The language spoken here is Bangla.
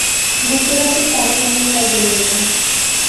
যুক্তরাজ্যের সারে শহরে তার বেড়ে ওঠা।